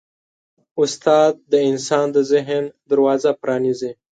استاد د انسان د ذهن دروازه پرانیزي.